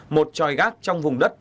một tròi gác trong vùng đất